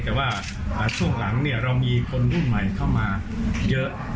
แต่ว่าช่วงหลังเรามีคนรุ่นใหม่เข้ามาเยอะ